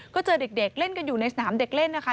ก็เจอเด็กเล่นกันอยู่ในสนามเด็กเล่นนะคะ